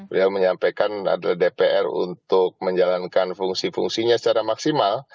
beliau menyampaikan adalah dpr untuk menjalankan fungsi fungsinya secara maksimal